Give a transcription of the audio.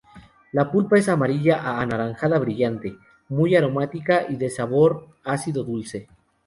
La pulpa es amarilla a anaranjada brillante, muy aromática y de sabor ácido-dulce.